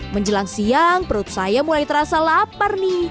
menjelang siang perut saya mulai terasa lapar nih